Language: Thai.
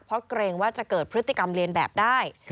เพราะเกรงว่าจะเกิดพฤติกรรมเรียนแบบได้